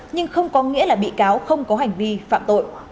nhưng không có nghĩa là bị cáo không có hành vi phạm tội